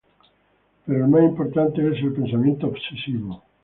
Pero el más importante es el pensamiento obsesivo.